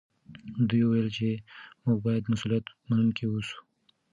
دوی وویل چې موږ باید مسوولیت منونکي اوسو.